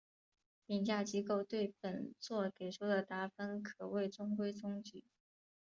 评价机构对本作给出的打分可谓中规中矩。